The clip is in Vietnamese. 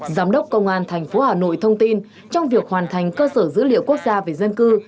giám đốc công an tp hà nội thông tin trong việc hoàn thành cơ sở dữ liệu quốc gia về dân cư